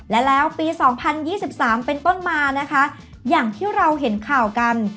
และแล้วปี๒๐๒๓เป็นต้นมานะคะอย่างที่เราเห็นข่าวกัน